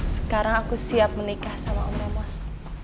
sekarang aku siap menikah sama om memos